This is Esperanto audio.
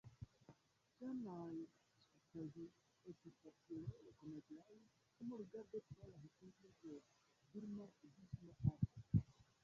Ŝan-aj skulptaĵoj estas facile rekoneblaj dum rigardo tra la historio de Birma budhisma arto.